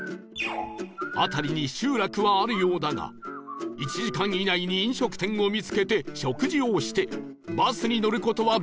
辺りに集落はあるようだが１時間以内に飲食店を見つけて食事をしてバスに乗る事はできるのか？